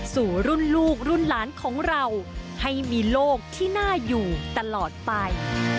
สู่รุ่นลูกรุ่นหลานของเราให้มีโลกที่น่าอยู่ตลอดไป